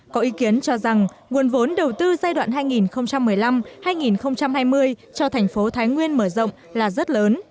có ý kiến cho rằng nguồn vốn đầu tư giai đoạn hai nghìn một mươi năm hai nghìn hai mươi cho thành phố thái nguyên mở rộng là rất lớn